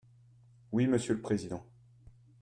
Oui, monsieur le président.